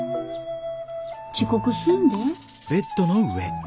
遅刻すんで。